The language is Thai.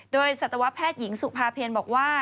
โดยสัตวแพทย์หญิงสุภาเพลบอกว่า